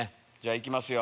行きますよ。